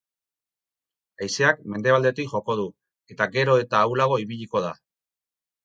Haizeak mendebaldetik joko du, eta gero eta ahulago ibiliko da.